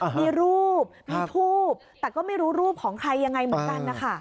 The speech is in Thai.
มีรูปมีทูบแต่ก็ไม่รู้รูปของใครยังไงเหมือนกันนะคะ